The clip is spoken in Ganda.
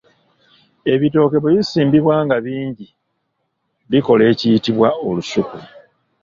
Ebitooke bwe bisimbibwa nga bingi, bikola ekiyitibwa olusuku